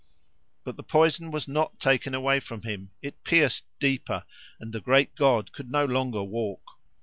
But the poison was not taken away from him; it pierced deeper, and the great god could no longer walk.